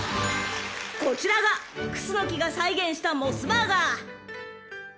［こちらが楠が再現したモスバーガー］